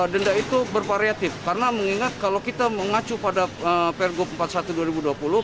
denda itu bervariatif karena mengingat kalau kita mengacu pada pergub empat puluh satu dua ribu dua puluh